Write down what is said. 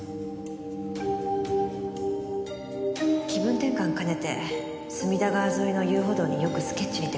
気分転換兼ねて隅田川沿いの遊歩道によくスケッチに出かけたんです。